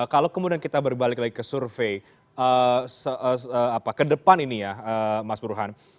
kalau kemudian kita berbalik lagi ke survei ke depan ini ya mas burhan